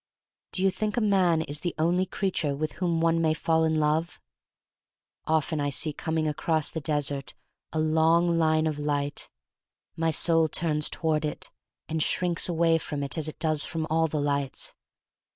Do you think a man is the only crea ture with whom one may fall in love? Often I see coming across the desert THE STORY OF MARY MAC LANE 1 83 a long line of light. My soul turns toward it and shrinks away from it as it does from all the lights.